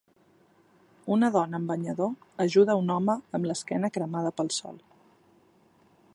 Una dona amb banyador ajuda un home amb l'esquena cremada pel sol.